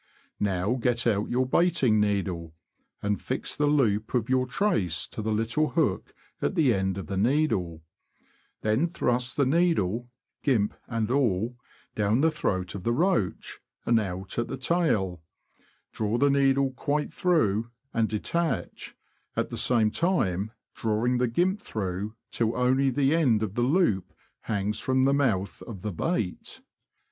Now get out your baiting needle, and fix the loop of your trace to the little hook at the end of the needle ; then thrust the needle, gimp and all, down the throat of the roach, and out at the tail ; draw the needle quite through, and detach, at the same time drawing the gimp through till only the end with the loop hangs from the mouth of the bait.